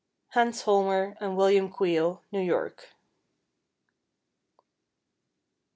Hans Holmer and William Queal, New York.